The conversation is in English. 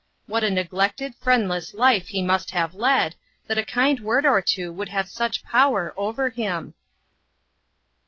What a neglected, friendless life he must have led, that a kind word or two could have such power over him